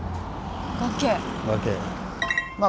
崖。